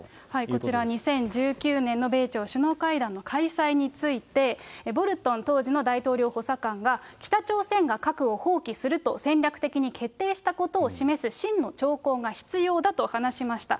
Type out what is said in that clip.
こちら、２０１９年の米朝首脳会談の開催について、ボルトン、当時の大統領補佐官が北朝鮮が核を放棄すると戦略的に決定したことを示す真の兆候が必要だと話しました。